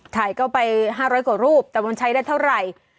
เข้าไป๕๐๐กว่ารูปแต่มันใช้ได้เท่าไหร่